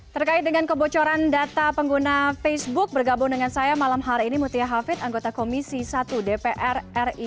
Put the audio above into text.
terkait dengan kebocoran data pengguna facebook bergabung dengan saya malam hari ini mutia hafid anggota komisi satu dpr ri